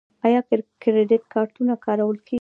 آیا کریډیټ کارتونه کارول کیږي؟